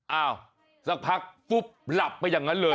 อ้าวสักพักปุ๊บหลับไปอย่างนั้นเลย